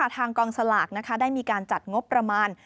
ทางกองสลากได้มีการจัดงบประมาณ